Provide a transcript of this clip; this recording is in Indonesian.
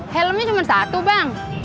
helme cuma satu bang